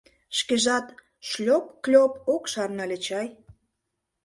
Шкежат, Шлёп-клёп, ок шарне ыле чай.